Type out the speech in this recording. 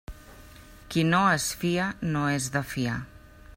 Qui no es fia no és de fiar.